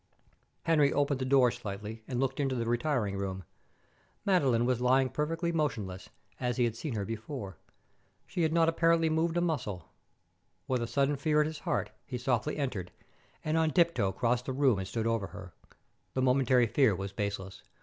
Henry opened the door slightly, and looked into the retiring room. Madeline was lying perfectly motionless, as he had seen her before. She had not apparently moved a muscle. With a sudden fear at his heart, he softly entered, and on tiptoe crossed the room and stood over her. The momentary fear was baseless.